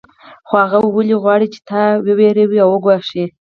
خو هغوی ولې غواړي چې تا وویروي او وګواښي